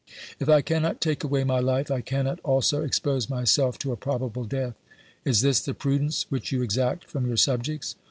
If I cannot take away my life, I cannot also expose myself to a probable death. Is this the prudence which you exact from your subjects